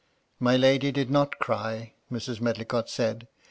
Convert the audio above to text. My lady did not cry, Mrs. Medlicott said.